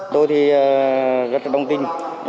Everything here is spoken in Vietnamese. tôi rất đồng tin